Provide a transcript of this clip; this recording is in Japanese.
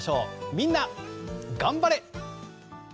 みんながん晴れ。